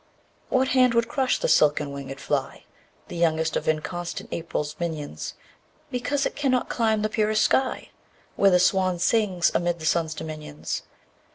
2. What hand would crush the silken winged fly, The youngest of inconstant April's minions, _10 Because it cannot climb the purest sky, Where the swan sings, amid the sun's dominions?